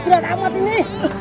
berat amat ini